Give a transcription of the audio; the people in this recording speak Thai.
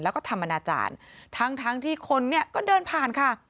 แล้วก็ทำอนาจารย์ทั้งทั้งที่คนเนี่ยก็เดินผ่านค่ะ